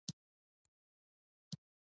کوتره له حرکته خوند اخلي.